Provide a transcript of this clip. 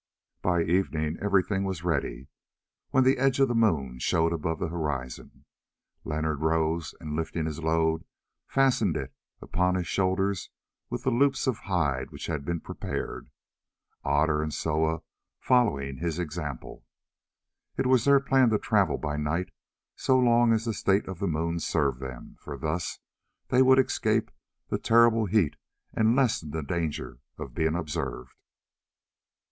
By evening everything was ready, and when the edge of the moon showed above the horizon, Leonard rose, and lifting his load, fastened it upon his shoulders with the loops of hide which had been prepared, Otter and Soa following his example. It was their plan to travel by night so long as the state of the moon served them, for thus they would escape the terrible heat and lessen the danger of being observed.